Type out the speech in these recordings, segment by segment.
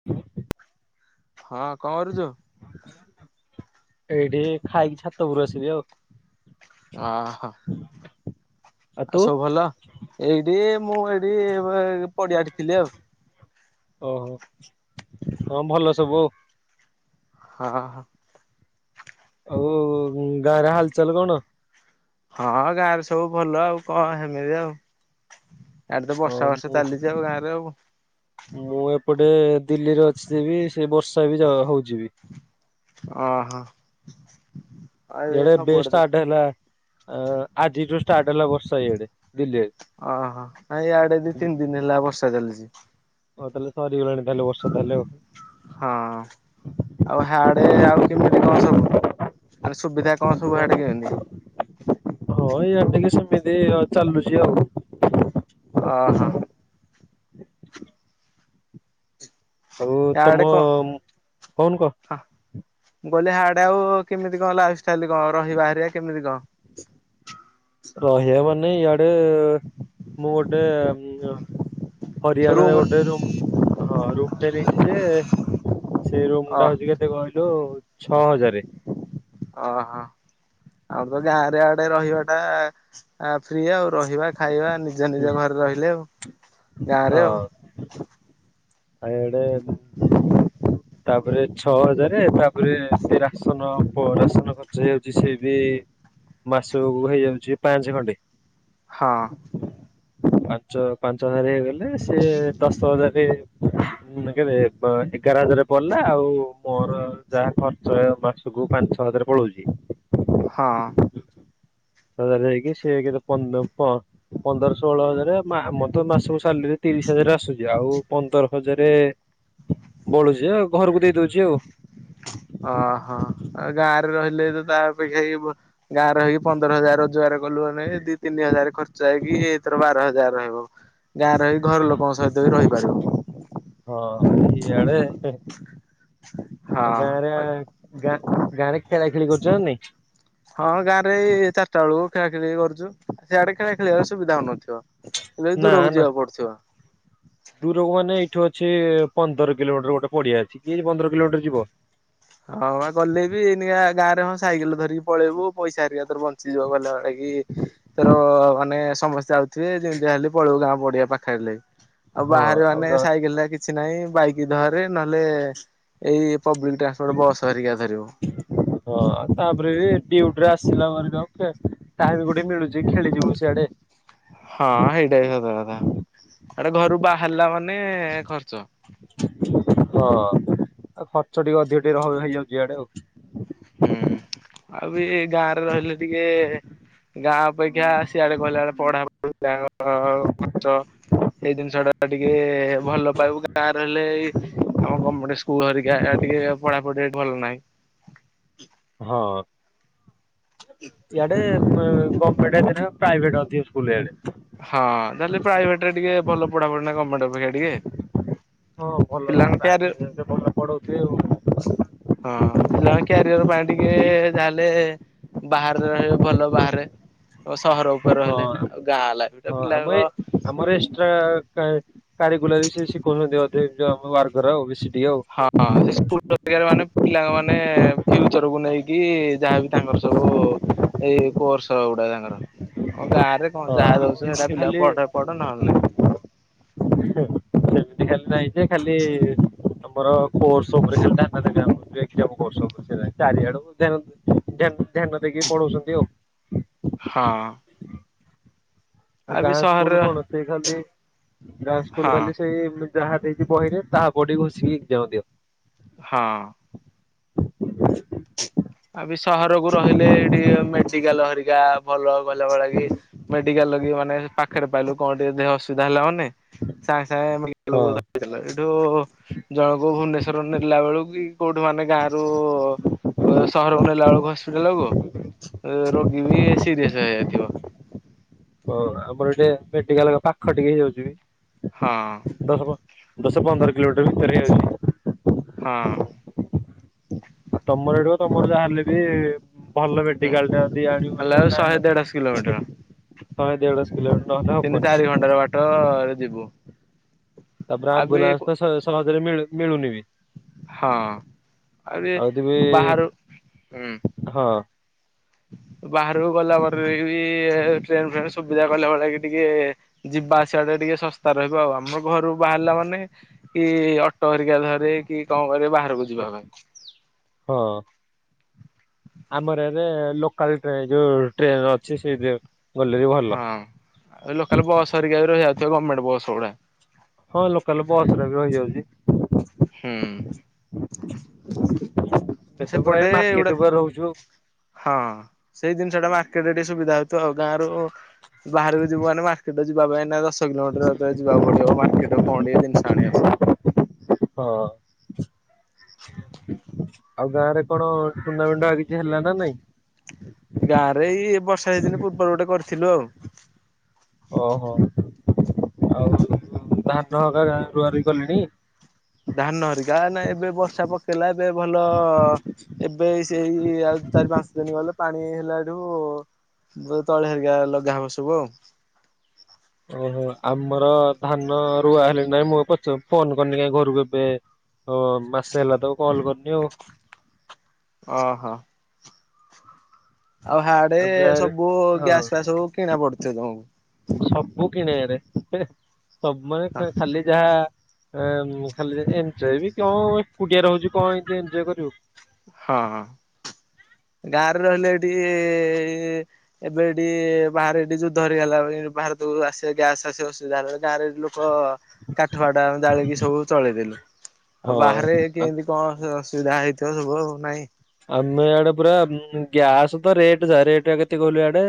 [inaudible] ହଁ କଣ କରୁଚୁ? ଏଇଠି ଖାଇକି ଛାତ ଉପରୁ ଆସିଲି ଆଉ। ଅହ। ଆଉ ସବୁ ଭଲ ଏଇଠି ମୁଁ ଏଇଠି ଏଇ ପଡିଆରେ ଥିଲି ଆଉ। ଓହୋ ହଁ ଭଲ ସବୁ ଆଉ। ହଁ ହଁ। ଆଉ ଗାଁରେ ହାଲଚାଲ କଣ? ହଁ ଗାଁରେ ସବୁ ଭଲ ଆଉ କଣ ହେମିତି ଆଉ ୟାଡେ ତ ହଁ ବର୍ଷା ବର୍ଷା ମୁଁ ଚାଲି ଯାହୋଉ ଗାଁରେ ଆଉ ମୁଁ ଏପଟେ ଦିଲ୍ଲୀରେ ଅଛି ଯିବି ସେ ବର୍ଷା ବି ଯ ହୋଉଚି ବି। ଓ ହୋ ଏଡେ ଏବେ ଷ୍ଟାର୍ଟ ହେଲା ଆଜିଠୁ ଷ୍ଟାର୍ଟ ହେଲା ବର୍ଷା ଏଆଡେ ଦିଲ୍ଲୀ ଆ ଓହୋ ନାଇଁ ଇଆଡେ ଦି ତିନି ଦିନ ହେଲା ବର୍ଷା ଚାଲିଛି। ଓହ ତାହା ହେଲେ ସରିଗଲାଣି ତାହେଲେ ବର୍ଷା ତାହେଲେ ଆଉ। ହଁ ଆଉ ହାଡେ ଆଉ କେମିତି କଣ ସବୁ ମାନେ ସୁବିଧା କଣ ସବୁ ହାଡେ କେମିତି? ହଁ ଏଇଆ ଟିକେ ସେମିତି ଚାଲୁଛି ଆଉ ଓହୋ ଆଉ ୟା ତମ ଆଡେ କଣ କଣ କହ ହ ମୁଁ କହିଲି ହଡେ ଆଉ କେମିତି କଣ ଲା ଚାଲି କଣ ରହିବାହାରିଆ କେମିତି କଣ? ରହ ମାନେ ଇଆଡେ ମୁଁ ଗୋଟେ ହରିଆଣା ରୁମ ରେ ଗୋଟେ ରୁମ୍ ହଁ ରୁମ୍ ଟା ନେଇଛି ଯେ ସେ ରୁମ ଅ ଟା ହଉଛି କେ କେତେ କହିଲୁ ଛଅ ହଜାର ଓହୋ ଆମର ତ ଗାଁ ରେ ଆଡେ ରହିବା ଟା ଆ ଫ୍ରି ଆଉ ରହିବା ଖାଇବା ନିଜ ହଁ ନିଜ ଘରେ ରହିଲେ ଆଉ ଗାଁ ରେ ଆଉ ଆଉଡ଼େ ତାପରେ ଛଅ ହଜାର ତାପରେ ଏ ରାସନ ରାସନ ଖର୍ଚ୍ଚ ହେଇଯାଉଛି ସେ ବି ମାସ କ ହେଇଯାଉଛି ପାଞ୍ଚ ଖଣ୍ଡେ ହଁ ପାଞ୍ଚ ପାଞ୍ଚଜାର ହେଇଗଲେ ସିଏ ଦଶ ହଜାର କେଟେ ଏଗାର ହଜାର ପଡିଲା ଆଉ ମୋର ଯାହା ଖର୍ ଶଛହ ମାସକୁୁ ପାଞ୍ଚଛ ହଜାର ପଳଉଛି। ହଁ ହଜାର ହେଇକି ସେ କେତେ ପନ୍ଦ ପନ୍ଦର ଷୋହଳ ହଜାର ଆମର ତ ମାସକୁ ସାଲରୀ ତିରିଶ ହଜାର ଆସୁଛି ଆଉ ପନ୍ଦର ହଜାର ବଳୁଛି ଆଉ ଘରକୁ ଦେଇ ଦଉଛି ଆଉ। ଓହୋ ଆଉ ଗାଁ ରେ ରହିଲେ ତ ତା ଅପେକ୍ଷା ଗାଁ ରଇକି ପନ୍ଦର ହଜାର ରୋଜଗାର ଗଲୁ ମାନେ ଦି ତିନି ହଜାର ଖର୍ଚ୍ଚ ହେଇକି ଏଇଥର ବାର ହଜାର ରହବ ଗାଁ ରହି ଘର ଲୋକଙ୍କ ସହିତ ବି ରହିପାରିବୁ ହଁ ଇ ଆଡେ ଆଉ ଗାଁରେ ହଁ। ଗାଁ ଗାଁରେ ଖେଳା ଖେଳି କରୁଛନ୍ତି ନାଇଁ? ହଁ ଗାଁ ରେ ଏଇ ଚାରିଟା ବେଳକୁ ଖେଳା ଖେଳି କରୁଛୁ ସେଆଡେ ଖେଳ ଖେଳିବାର ସୁବିଧା ହଉନଥିବ। ଏଲେ ନା ଦୂରକୁ ନା ଯିବାକୁ ପଡୁଥିବ। ଦୂରକୁ ମେ ଏଇଠୁ ଅଛି ପନ୍ଦର କିଲୋମିଟର ଗୋଟେ ପଡିଆ ଅଛି କିଏ ଯେ ପନ୍ଦର କିଲୋମିଟର ଯିବ ହଁ ବା କଲେ ବି ଏ ଗାଁରେ ହଁ ସାଇକେଲ ଧରିକି ପଳେଇବୁ ପଇସା ହେରିକା ତୋର ବଞ୍ଚିଯିବ ଗଲାବଳେ କି ତୋର ମାନେ ସମସ୍ତେ ଯାଉଥିବେ ଯେମିତି ହେଲେ ପଳେଇିବୁ ଗାଁ ପଡିିବା ପାଖରେ ଲାଗି ଆଉ ହଁ ବାହାରେ ଆଉ ମାନେ ତା ସାଇକେଲ କି କିଛି ନାହିଁ ବାଇକ ଧରେ ନହେଲେ ଏଇ ପବ୍ଲିକ ଟ୍ରାନ୍ସପୋର୍ଟ ବସ୍ ହରିକା ଧରିବ ହଁ ତାପରେ ଡିଉଟରେ ଆସିଲ ମାନେ ଠୁ ଆଉ ଟାଇମ କୋଉଠେ ମିଳୁଛି ଖେଳିଯିବୁ ସିଆଡେ। ହଁ ହେଇଟା ବି ସତ କଥା ଆଟେ ଘରୁ ବାହାରିଲା ମାନେ ଖର୍ଚ୍ଚ ହଁ ଖର୍ଚ୍ଚ ଟିକେ ଅଧିକ ଟିକେ ରିବ ହେଇଯାଉଛି ଇଆଡେ ଆଉ ହୁଁ ଆଉ ବି ଗାଁରେ ରହିଲେ ଟିକେ ଗାଁ ଅପେକ୍ଷା ସିଆଡେ କହିଲା ବେଳେ ପଢାପଢି ଖର୍ଚ୍ଚ ସେଇ ଜିନିଷ ଟା ଟିକେ ଭଲ ପାଇବୁ ଗାଁ ରହିଲେ ଏଇ ଆମ ଗମଟ ସ୍କୁଲ ହେରିକା ଟିକେ ପଢାପଢି ଭଲ ନାହିଁ ହଁ ଆଡେ ମ ଗୋମେଣ୍ଡ ପ୍ରାଇଭେଟ ଅଧିକ ସ୍କୁଲ ଇଆଡେ ହଁ ତାହେଲେ ପ୍ରାଇଭେଟ ରେ ଟିକେ ଭଲ ପଢାପଢି ନା ଗର୍ଣ୍ଣମେଣ୍ଟ ଅପେକ୍ଷା ଟିକେ। ହଁ ଭଲ ପିଲାଙ୍କ କ୍ୟାରିୟର ପ୍ରାଇଭେଟ ଭଲ ପଢଉଥିବ ଆଉ। ହଁ ପିଲା କ୍ୟାରିଅର ପାଇଁ ଟିକେ ହଁ ଯାହାହେଲେ ବାହରେ ରହିଲେ ଭଲ ବାହାରେ ସହର ଉପରେ ରହିଲେ ଆଉ ଗାଁ ହେଲା ହଁ ଆମେ ଆମର ଏକ୍ସଟ୍ରା କାରିଗୁଲ ବି ସେ ଶିଖଉଛନ୍ତି ଅଧଉ ଆମ ୱାର୍ଘର ଆଉ ବେଶୀ ଟିକେ ଆଉ। ହଁ ସେ ସ୍କୁଲ ମାନେ ପିଲାଙ୍କ ମାନେ ଫ୍ୟୁଚର କୁ ନେଇକି ଯାହାବି ତାଙ୍କର ସବୁ ଏଇ କୋର୍ସ ଗୁଡା ତାଙ୍କର। ଆଉ ଗାଁ ରେ କଣ ହଁ ଯାହା ଆଉ ଦଉଛନ୍ତି ଏଇଟା ଏମିତି ପିଲା ଖାଲି ପଢ ପଢ ନହେଲେଁ ନାଇ। ସେମିତି ଖାଲି ନାହିଁ ଯେ ଖାଲି ତମର କୋର୍ସ ଉପରେ ଖାଲି [unintelligible] [unintelligible] ଚାରିଆଡ଼କୁ ଧ୍ୟାନ ଦେଇକି ପଢଉଛନ୍ତି ଆଉ। ହଁ। ଆଉ ବି ଗାଁ ସହର ସ୍କୁଲ କଣ ସେଇ ଖାଲି ଗାଁ ସ୍କୁଲ ହଁ ଖାଲି ସେଇ ଯାହା ଦେଇଛିି ବହିରେ ତାହା ପଢି ଘୋଷିକି ଏଜ୍ଜ୍ଜାମ୍ ଦିଅ। ହଁ। ଆ ବି ସହରକୁ ରହିଲେ ଏଡିଏ ମେଡିକାଲ ହରିକା ଭଲ କହିଲ ଭଳି କି ମେଡିକାଲ କି ମାନେ ପାଖରେ ପାଇଲୁ କଣ ଟିକେ ଦେହ ଅସୁବିଧା ହେଲା ହବନି। ସାଙ୍ଗେ ସାଙ୍ଗେ [unintelligible] ହଁ। ଏଇଠୁ ଜଣକୁ ଭୁବନେସ୍ୱର ନେଲା ବେଳକୁ କି କୋଉଠୁ ମାନେ ଗାଁରୁ ସହରକୁ ନେଲା ବେଳକୁ ହସ୍ପିଟାଲକୁ ରୋଗୀ ବି ସିରିଅସ ହେଇଯାଇଥିବ। ହ ଆମର ଟିକେ ମେଡିକାଲ ପାଖ ଟିକେ ହେଇଯାଉଛି ବି। ହଁ। ଦଶ ଦଶ ପନ୍ଦର କିଲୋମିଟର ଭିତରେ ଯାଉଛି। ହଁ। ଆଉ ତମର ଏଠ ତମର ଯାହାହେଲେ ବି ଭଲ ମେଡିକାଲ ଟା ଯି ଆଣିବ ହେଲା ମାନେ ବେଳକୁ ନା ଶହେ ଦେଢଶ କିଲୋମିଟର। କେତେ ଶହେ ଦେଢଶ କିଲୋମିଟର ନହଲେ ହଵ ତିନି ଚାରି ଘଣ୍ଟାର ବାଟ ଟରେ ଯିବୁ। ତାପରେ ଆଉ ବି ଆମ୍ବୁଲାନ୍ସ ତ ସହ ସହଜରେ ମିଳୁ ମିଳୁନି ବି। ହଁ ଆଉ ଯଦି ବି ବାହାରୁ ହୁଁ। ହଁ। ବାହାରକୁ ଗଲା ପରେ ବି ଟ୍ରେନ ଫ୍ରେନ ସୁବିଧା କଲା ଭଳି କି ଟିକେ ଯିବା ଆସିବା ଟା ଟିକେ ଶସ୍ତା ରହିବ ଆଉ ଆମର ଘରୁ ବାହାରିଲା ମାନେ କି ଅଟୋ ହେରିକା ଧରେ କି କଣ କରି ବାହାରକୁ ଯିବା ପାଇଁ। ହଁ। ଆମର ଏରେ ଲୋକାଲ ଟ୍ରେନ ଯୋଉ ଟ୍ରେନ ଅଛି ସେଇ ଗଲେ ବି ଭଲ। ହଁ ଆଉ ଲୋକାଲ ବସ୍ ହରିକା ରହିଯାଉଥିବ ଗଭର୍ଣ୍ଣମେଣ୍ଟ ବସ୍ ଗୁଡା। ହଁ ଲୋକାଲ ବସ ରେ ବି ରହିଯାଉଛି। ହୁଁ। ଏତେ ପୁରା ଏ ସେପଟେ ଏଗୁଡା ମାର୍କେଟ ଉପରେ ରହୁଛୁ। ହଁ ସେଇ ଜିନିଷ ଟା ମାର୍କେଟରେ ଟିକେ ସୁବିଧା ହଉଥବ ଆଉ ଗାଁ ରୁ। ବାହାରକୁ ଯିବୁ ମାନେ ମାର୍କେଟରେ ଯିବା ପାଇଁ ନା ଦଶ କିଲୋମିଟର ଭରେ ଯିବାକୁ ପଡିବ ମାର୍କେଟ କଣ ଟିକେ ଜିନିଷ ଆଣିବା ପାଇଁ। ହଁ। ଆଉ ଗାଁ ରେ କଣ ଟୁର୍ଣ୍ଣାମେଣ୍ଟ ହେରିକା ହେଲା ନା ନାଇଁ? ଗାଁରେ ଏଇ ବର୍ଷା ଏଇ ଦିନେ ପୂର୍ବରୁ ଗୋଟେ କରିଥିଲୁ ଆଉ। ଓହୋ ଆଉ ଧାନ ହେରିକା ଏକା ଗାଁରେ ରୁଆରୁଇ କଲେଣି? ଧାନ ହେରିକା ନା ଏବେ ବର୍ଷା ପକେଇଲା ଏବେ ଭଲ ଏବେ ସେଇ ଆଉ ଚାରି ପାଞ୍ଚ ଦିନ ଗଲେ ପାଣି ହେଲା ଏଠୁ ତଳି ହେରିକା ଲଗା ହବ ସବୁ ଆଉ। ଓହୋ ଆମର ଧାନ ରୁଆ ହେଲା କି ନାଇଁ, ମୁଁ ଆଉ ଫୋନ୍ କରିନି କାଇ ଘରକୁ ଏବେ। ହଁ ମାସେ ହେଲା ତାକୁ କଲ୍ କରିନି ଆଉ। ଓହୋ। ଆଉ ହାଡେ ଗାଁରେ ସବୁ ହଁ ଗ୍ୟାସ୍ ଫ୍ୟାସ୍ ସବୁ କିଣା ପଡୁଥିବ ତମକୁ। ସବୁ କିଣେ ଆଡେ ହେ ସବ୍ ହଁ ମାନେ ଖାଲି ଯାହା ଖାଲି ଯେ ଏଞ୍ଜୟ୍ ବି କଣ ଏକୁଟିଆ ରହୁଛି କଣ ଏମତି ଏଞ୍ଜୟ୍ କରିବୁ। ହଁ ହଁ। ଗାଁରେ ରହିଲେ ଏଠି ଇ ଇ ଇ ଇ ଏବେ ଏଠି ବାହାରେ ଏଠି ଯୁଦ୍ଧ ହେରିକା ହେଲା। ଭାରତକୁ ଆସିବା ଗ୍ୟାସ୍ ଆସିବା ଅସୁବିଧା ହେଲା ଗାଁରେ ଲୋ କ କାଠ ଫାଠ ଆମେ ଜଳିକି ସବୁ ଚଳେଇଦେଲୁ। ହଁ ଆଉ ବାହାରେ ଆଉ କେମିତି କଣ ଅସୁବିଧା ହେଇଥିବ ସବୁ ଆଉ ନାଇଁ। ଆମେ ଆଡେ ପୁରା ଗ୍ୟାସ୍ ତ ରେଟ୍ ଯାହା, ରେଟ୍ ଟା କେତେ କହିଲୁ ଇଆଡେ?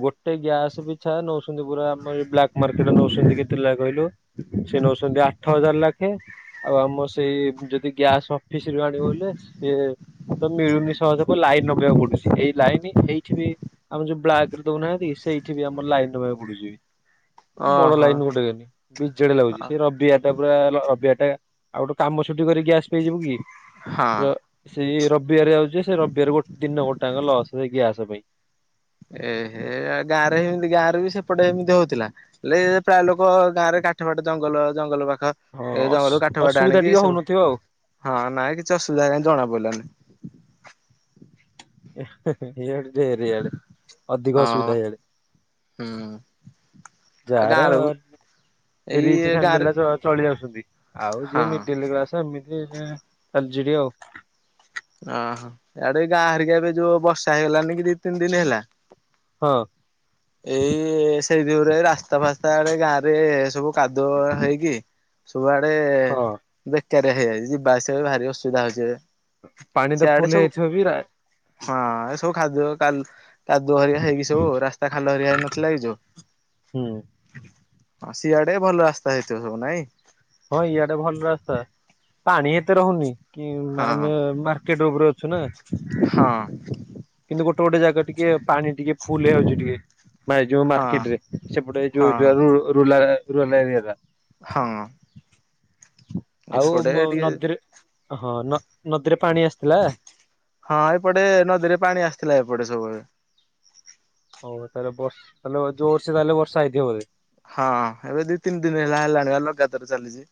ଗୋଟେ ଗ୍ୟାସ୍ ପିଛା ନଉଛନ୍ତି ପୁରା ଆମର ବ୍ଲାକ୍ ମାର୍କେଟରେ ନେଉଛନ୍ତି କେତେ ଲେଖା କହିଲୁ? ସେ ନଉଛନ୍ତି ଆଠ ହଜାର ଲାଖେ ଆଉ ଆମ ସେଇ ଯଦି ଗ୍ୟାସ୍ ଅଫିସିରୁ ଆଣିବଲେ ସିଏ ତ ମିଳୁନି ସହଜକୁ ଲାଇନ୍ ଲଗେଇବାକୁ ପଡୁଚି। ଏଇ ଲାଇନ ଏଇଠି ବି ଆମେ ଯୋଉ ବ୍ଲାକରେ ଦଉନାହାନ୍ତି ସେଇଠି ବି ଆମର ଲାଇନ୍ ଲଗେଇବାକୁ ପଡୁଚି। ବଡ ଓହୋ। ଲାଇନ୍ ଗୋଟେ କାନି ବିଜେଡ ଲାଗୁଛି ସେ ରବି ସେଟା ପୁରା ରବିିବାର ଟା ଆଉ ଗୋଟେ କାମ ଛୁଟି କରି ଗ୍ୟାସ୍ ନେଇଯିବୁ କି? ହଁ ସେଇ ରବିବାର ଯାଉଛି। ସେ ରବିବାର ଗୋ ଦିନ ଗୋଟାକ ଲସ୍ ସେ ଗ୍ୟାସ୍ ପାଇଁ। ଏ ହେ ଗାଁ ରେ ଏମିତି ଗାଁ ରେ ବି ସେପଟେ ଏମିତି ହଉଥିଲା? ହେଲେ ପ୍ରାୟ ଲୋକ ଗାଁ ରେ କାଠ ଫାଠ ଜଙ୍ଗଲ-ଜଙ୍ଗଲ ପାଖ। ହଁ ଏ ଅସ ଜଙ୍ଗଲରୁ କାଠ ଫାଠ ଅସୁବିଧା ଆଣିକି ଟିକେ ସବୁ ହଉନଥିବ ଆଉ। ହଁ ନାଇଁ କିଛି ଅସୁବିଧା କାଇଁ ଜଣା ପଡିଲାନି। ଏହେ ଇଆଡେ ଢ଼େରେ ଇଆଡେ ଅଧିକ ହଁ ଅସୁବିଧା ଇଆଡେ। ହୁଁ ଆଉ ଯାହାର ଗାଁରୁ ରିଚ୍ ଏଇ ଗାଁରେ ଫ୍ୟାମିଲି ଯାକ ଚଳି ଯାଉଛନ୍ତି। ଆଉ ଯିଏ ହଁ ମିଡଲକ୍ଲାସ ଏମିତି ଚାଲିଛି ଟିକେ ଆଉ। ଓହୋ ଆଡେ ଗାଁ ହରିକା ଏବେ ଯୋଉ ବର୍ଷା ହେଇଗଲାନି କି ଦି ତିନି ଦିନ ହେଲା। ହଁ। ଏଇ ସେଇଯୁଗରୁ ଏ ରାସ୍ତା ଫାସ୍ତା ଆଡେ ଗାଁ ରେ ସବୁ କାଦୁଅ ହେଇକି ସବୁଆଡେ ହଁ ବେକାରିଆ ହେଇଯାଇଛି। ଯିବା ଆସିବା ବି ଭାରି ଅସୁବିଧା ହଉଛି ଏବେ। ପାଣି ତ ସିଆଡେ ଫୁଲ୍ ସବୁ ହେଇଯାଇଥିବ ବି ରା ହଁ ଏ ସବୁ ଖାଦ୍ୟ କାଲ କାଦୁଅ ହରିଆ ହେଇକି ସବୁ ରାସ୍ତା ଖାଲ ହେରିଆ ହେଇନଥିଲା କି ଯୋଉ ହୁଁ ହଁ ସିଆଡେ ଭଲ ରାସ୍ତା ହେଇଥିବ ସବୁ ନାଇଁ? ହଁ ଇଆଡେ ଭଲ ରାସ୍ତା ପାଣି ଏତେ ରହୁନି। କି ହଁ ଆମେ ମାର୍କେଟ ଉପରେ ଅଛୁ ନା। ହଁ। କିନ୍ତୁ ଗୋଟେ-ଗୋଟେ ଜାଗା ଟିକେ ପାଣି ଟିକେ ଫୁଲ ହେଇଯାଉଛି ଟିକେ। ଏ ଯୋଉ ହଁ ମାର୍କେଟରେ ସେପଟେ ହଁ। ଯୋଉଯୋଉ ରୁରାଲ୍ ରୁଲର ଏରିଆ ଟା ହଁ। ଆଉ ଏପଟେ ଟିକେ ନଦୀରେ ହଁ ନଦୀରେ ପାଣି ଆସିଥିଲା? ହଁ ଏପଟେ ନଦୀରେ ପାଣି ଆସିଥିଲା ଏପଟେ ସବୁବେଳେ। ହଉ ତାହେଲେ ବର୍ଷ ତାହେଲେ ଯୋରସ ତାହେଲେ ବର୍ଷା ହେଇଥିବ ବଧେ। ହଁ ଏବେ ଦି ତିନି ଦିନ ହେଲା ହେଲାଣି ଆଉ ଲଗାତାର ଚାଲିଛି।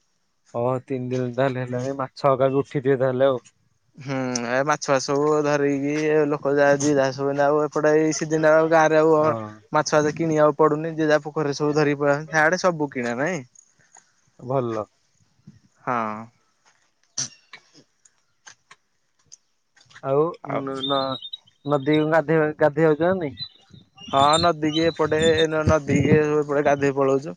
ହଁ ତିନି ଦିନ ତାହଲେ ହେଲାଣି ମାଛ ଆଗାକୁ ଉଠିଥିବେ ତାହେଲେ ଆଉ। ହୁଁ ଏ ମାଛ ଫାଚ ସବୁ ଧରିକି ଲୋକ ଯାହା ଯିଏ ଯାହା ସବୁ ଏୟିନା ଆଉ ପଟ୍ଟା ଏଇ ସିଜିନିରେ, ଆଉ ଗାଁରେ ଆଉ ହଁ ମାଛ ଫାଛ କିଣିବାକୁ ପଡୁନି ଯି ଯାହା ଏପଟେ ସବୁ ଧରି ପଳେଇ ଆଉ ଚନି ଗାଁରେ ସବୁ କିଣା ନାଇଁ ଭଲ। ହଁ। ଆଉ ନ ନଦୀ ଗାଧେଇବା ଗାଧେଇବା ଯାଅ ନାଇ। ହଁ ନଦୀ କି ଏପଟେ ନଦୀ କିି ଗାଧୋଇ ପଳଉଛୁ।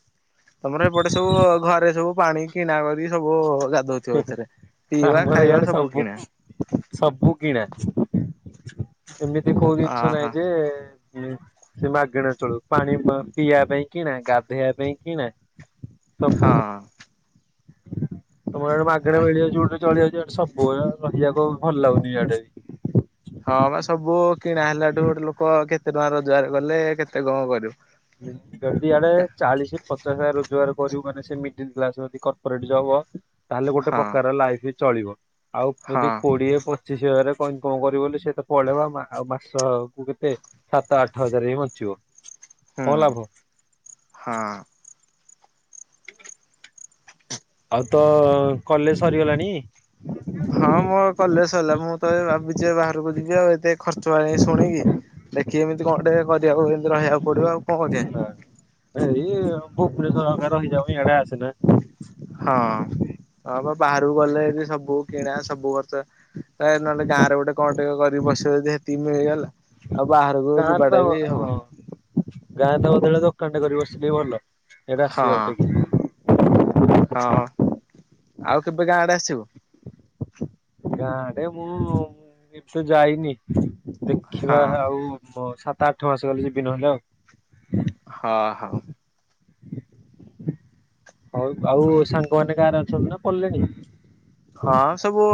ତମର ଏପଟେ ସବୁ ଘରେ ସବୁ ପାଣି କିଣା କରି ସବୁ ଗାଦୁଉଚ। କିଏ ପଟାରେ ପିଇବା ଆମର ଖାଇବା ଇଆଡେ ସବୁ କିଣା। ସବୁ କିଣା। ଏମିତି କୋଉ ଜିନିଷ ଅହ ନହିଁ ଯେ ସେ ମାଗଣା ଚଳୁ ପାଣି ପିଇବା ପାଇଁ କିଣା ଗାଧୋଇବା ପାଇଁ କିଣା ତ ହଁ। ତମର ଏଡେ ମାଗେଣା ମିଳିଯାଉଚି ବୋଲି ଚଳିଯାଉଚୁ ଆଡେ ସବୁ ମାପିବାକୁ ଭଲ ଲାଗୁନିାଆଡେ ହଁ ବା ସବୁ କିଣା ହେଲାଠୁ ଗୋଟେ ଲୋକ କେତେ ଟଙ୍କା ରୋଜଗାର କଲେ କେତେ କଣ କରିବୁ। ହଁ ବି। [unintelligible] ଯଦି ଆଡେ ଚାଳିଶ ପଚାଶ ରୋଜଗାର କରିବୁ ମାନେ ସେ ମିଡଲ୍‌ କ୍ଲାସ ଯ କର୍ପୋରେଟ ଜବ ତାହେଲେ ଗୋଟେ ହଁ ପ୍ରକାରର ଲାଇଫ ବି ଚଳିବ ଆଉ ହଁ ଯଦି କୋଡିଏ ପଚିଷ ହଜାର ଇନକମ୍ କ କଣ କରିବ ବୋଲି ସେତ ପଳେଇବ ଆଉ ମାସକୁ କେତେ ସାତ ଆଠ ହଜାର ଏଇ ବଚିବ କଣ ହୁଁ। ଲାଭ। ହଁ। ଆଉ ତୋ କଲେଜ ସରିଗଲାଣି? ହଁ ମୋ କଲେଜ ସରିଲା ମୁଁ ତ ଭାବିଛିି ବାହାରକୁ ଯିବି ଆଉ ଏତେ ଖର୍ଚ୍ଚ ବାଣି ଶୁଣିକି। ଦେଖି ଏମିତି କଣ ଟେ କରିବାକୁ ଏମିତି ରହିବାକୁ ପଡିବ ଆଉ କଣ କରିବା ନା ଏଇ ଭୁବନେଶ୍ଵର ହାଡ଼େ ରହିଯାଉନୁ ଇଆଡେ ଆସେନା। ହଁ ହଁ ବା ବାହାରକୁ ଗଲେ ଏ ସବୁ ବୁ କିଣା ସବୁ ବର୍ଷ ନହେଲେ ଗାଁରେ ଗୋଟେ କଣ ଟିକେ କର ବସିବ ସେତିକି ମିଳିଗଲେ ଆଉ ବାହାରକୁ ଗାରେ ତ ଆଉ ହ ହଁ। ଗାଁ ରେତ ବଦଳେ ଦୋକାନ ଟେ କରିକି ବସିଲେ ଭଲ ୟାଡେ ହଁ ଆସିବା ଅପେକ୍ଷା। ହଁ ଆଉ କେବେ ଗାଁଆଡେ ଆସିବୁ? ଗାଁଆଡେ ମୁଁ ଏ ବେ ଯାଇନି ହଁ ଦେଖିବା ଆଉ ମୋ ସାତ ଆଠ ମାସ ଗଲେ ଯିବି ନହେଲେ ଆଉ ହଁ ହଉ। ହଉ ଆଉ ସାଙ୍ଗମାନେ ଗାଁରେ ଅଛନ୍ତି ନା ପଲେଣି। ହଁ ସବୁ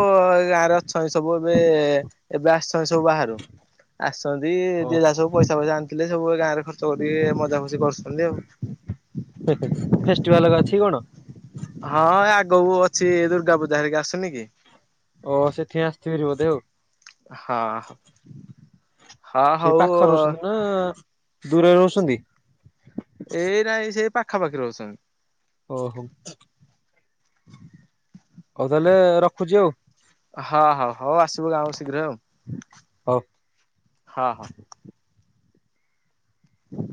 ଗାଁରେ ଅଛନ୍ତି ସବୁ ଏବେ ଏବେ ଆସିଛନ୍ତି ସବୁ ବାହାରୁ। ଆସିଚନ୍ତି ଓ ଯିଏ ଯାହା ସବୁ ପଇସା ଫଇସା ଆଣିଥିଲେ ସବୁ ଗାଁରେ ଖର୍ଚ ଚୋରି ମଜା ମସ୍ତି କରୁଚନ୍ତି ଆଉ। ଫେଷ୍ଟିଭାଲ ଅଛି କଣ? ହଁ ଆଗକୁ ଅଛି ଦୁର୍ଗା ପୂଜା ହେରିକା ଆସୁନି କି। ହଁ ସେଠିଁ ଆସିଥିବି ଭାରି ବୋଧେ ଆଉ। ହଁ, ହଁ, ସେଇ ପାଖରେ ହଉ। ରହୁଛନ୍ତି ନା ଦୂରରେ ରହୁଛନ୍ତି?? ଏଇ ନାଇଁ ସେ ପାଖାପାଖି ରହୁଛନ୍ତି। ଓହୋ। ହଉ ତାଲେ ରଖୁଚି ଆଉ। ହଁ ହଁ ହଉ ଆସିବ ଗାଁ କୁ ଶୀଘ୍ର ଆଉ। ହଉ। ହ ହ।